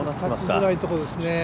打ちづらいところですね。